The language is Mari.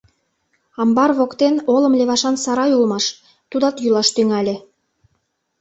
Амбар воктен олым левашан сарай улмаш, тудат йӱлаш тӱҥале.